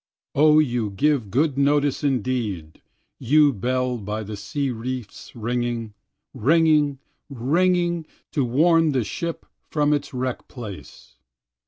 O you give good notice indeed, you bell by the sea reefs ringing, Ringing, ringing, to warn the ship from its wreck place.